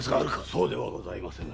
そうではございません。